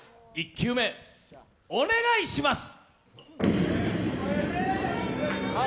１球目お願いします。